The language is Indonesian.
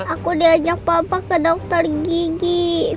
aku diajak bapak ke dokter gigi